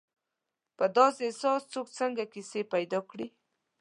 په داسې احساس څوک څنګه کیسې پیدا کړي.